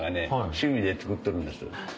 趣味で作ってるんです。